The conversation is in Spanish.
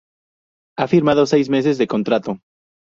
Ha firmado seis meses de contrato.